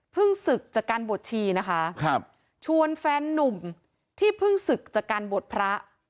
ศึกจากการบวชชีนะคะครับชวนแฟนนุ่มที่เพิ่งศึกจากการบวชพระ